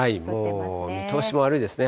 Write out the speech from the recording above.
もう見通しも悪いですね。